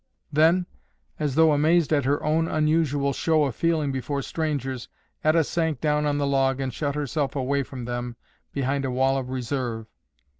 Then, as though amazed at her own unusual show of feeling before strangers, Etta sank down on the log and shut herself away from them behind a wall of reserve.